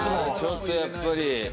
ちょっとやっぱり。